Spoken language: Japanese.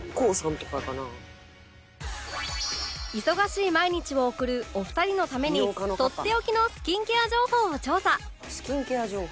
忙しい毎日を送るお二人のためにとっておきのスキンケア情報を調査